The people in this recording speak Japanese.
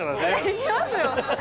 行きますよ。